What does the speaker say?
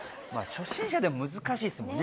初心者でも難しいですもんね